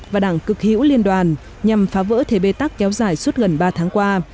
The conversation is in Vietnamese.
và đảng cực hữu liên đoàn nhằm phá vỡ thế bê tắc kéo dài suốt gần ba tháng qua